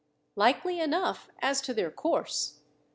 "Likely enough, as to their course.